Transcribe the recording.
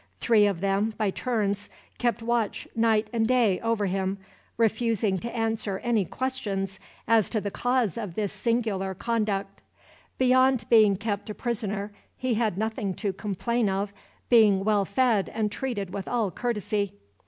Three of them, by turns, kept watch night and day over him, refusing to answer any questions as to the cause of this singular conduct. Beyond being kept a prisoner he had nothing to complain of, being well fed and treated with all courtesy.